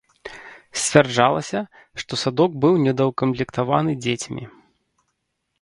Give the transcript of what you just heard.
Сцвярджалася, што садок быў недаўкамплектаваны дзецьмі.